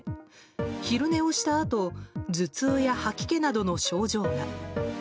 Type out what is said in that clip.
昼寝をしたあと頭痛や吐き気などの症状が。